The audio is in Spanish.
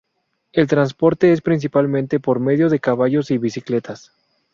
El transporte es principalmente por medio de caballos y bicicletas.